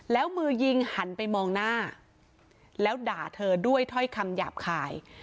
แล้วมือยิงหันไปมองหน้าแล้วด่าเธอด้วยถ้อยคำหยาบคาย